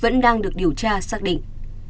vẫn đang được điều tra xác định